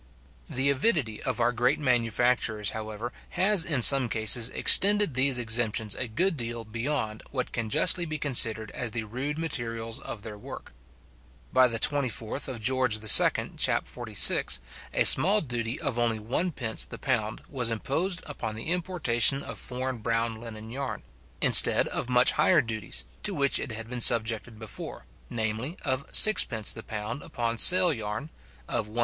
The avidity of our great manufacturers, however, has in some cases extended these exemptions a good deal beyond what can justly be considered as the rude materials of their work. By the 24th Geo. II. chap. 46, a small duty of only 1d. the pound was imposed upon the importation of foreign brown linen yarn, instead of much higher duties, to which it had been subjected before, viz. of 6d. the pound upon sail yarn, of 1s.